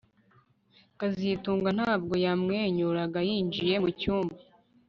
kazitunga ntabwo yamwenyuraga yinjiye mucyumba